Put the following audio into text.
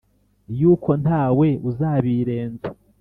yuko ntawe uzabirenza